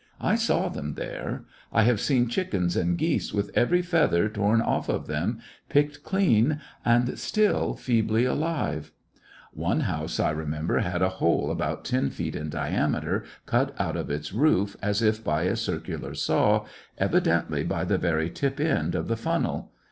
I saw them there. I have seen chickens and geese with every feather torn off of them, picked clean, and still feebly alive. One house I remember had a hole about ten feet in diameter cut out of its roof as 70 ]\/lissionarY in tP^e Great West if by a circular saw, evidently by the very tip end of the funnel.